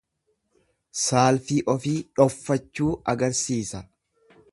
Saalfii ofii dhoffachuu agarsiisa.